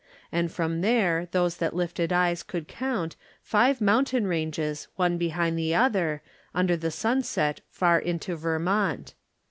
And from there those that lifted eyes could count Five mountain ranges one behind the other Under the sunset far into Vermont.